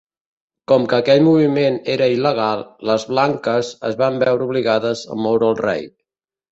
Com que aquell moviment era il·legal, les blanques es van veure obligades a moure el rei.